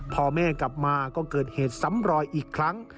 พอแม่กลับมาก็เกิดเหตุซ้ำรอยอีกครั้ง